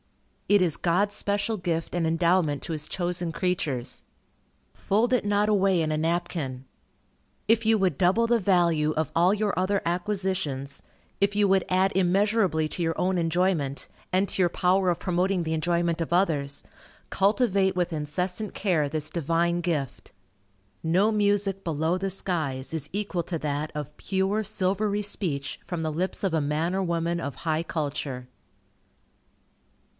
It is God's special gift and endowment to his chosen creatures. Fold it not away in a napkin. If you would double the value of all your other acquisitions; if you would add immeasurably to your own enjoyment, and to your power of promoting the enjoyment of others, cultivate with incessant care this Divine gift. No music below the skies is equal to that of pure, silvery speech from the lips of a man or woman of high culture.